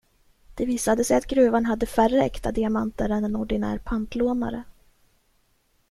Det visade sig att gruvan hade färre äkta diamanter än en ordinär pantlånare.